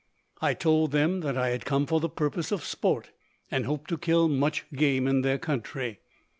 I told them that I had come for the purpose of sport, and hoped to kill much game in their country.